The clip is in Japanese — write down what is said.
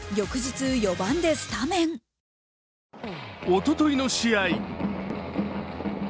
おとといの試合。